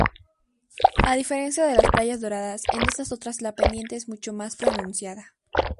A diferencia de Playas Doradas, en estas otras la pendiente es mucho más pronunciada.